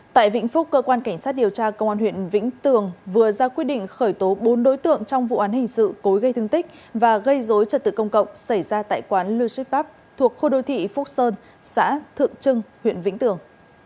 tại vĩnh phúc cơ quan cảnh sát điều tra công an huyện vĩnh tường vừa ra quyết định khởi tố bốn đối tượng trong vụ án hình sự cố gây thương tích và gây dối trật tự công cộng xảy ra tại quán lushipp thuộc khu đô thị phúc sơn xã thượng trưng huyện vĩnh tường